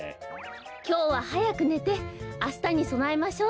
きょうははやくねてあしたにそなえましょう。